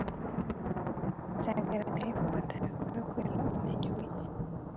byagaragaye ko batabikora kubera ubumenyi buke